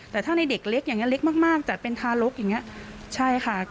แต่ถ้าในเด็กเล็กอย่างนี้เล็กมากจัดเป็นทารกอย่างนี้ใช่ค่ะ